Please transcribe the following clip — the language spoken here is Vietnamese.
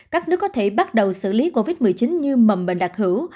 các nước có thể bắt đầu xử lý covid một mươi chín như mầm bệnh đặc hữu